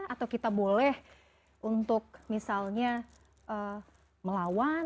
atau kita boleh untuk misalnya melawan